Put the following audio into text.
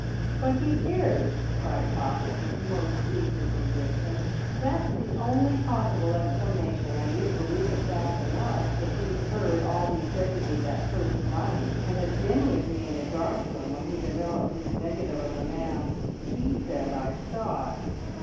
"But he is!" cried Pocket, with most eager conviction. "That's the only possible explanation, and you'd believe it fast enough if you'd heard all he said to me that first night, and been with me in the dark room when he developed his negative of the man he said I shot!